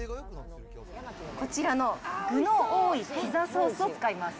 こちらの具の多いピザソースを使います。